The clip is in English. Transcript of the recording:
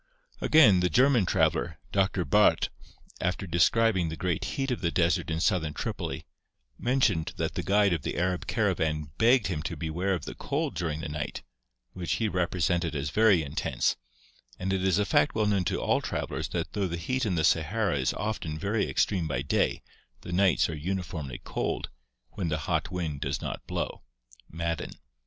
Again, the German traveler, Doctor Barth, after describing the great heat of the desert in south ern Tripoli, mentioned that the guide of the Arab caravan begged him to beware of the cold during the night, which he represented as very intense, and it is a fact well known to all travelers that though the heat in the Sahara is often very extreme by day, the nights are uniformly cold, when the hot wind does not blow (Madden).